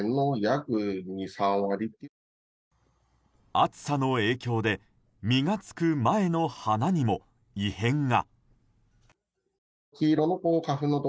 暑さの影響で実がつく前の花にも異変が。